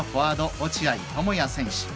落合知也選手。